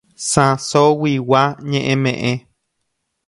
Sãsoguigua Ñe'ẽme'ẽ.